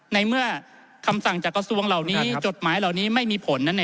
ในเมื่อคำสั่งจากกระทรวงเหล่านี้จดหมายเหล่านี้ไม่มีผล